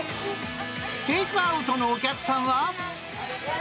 テイクアウトのお客さんは。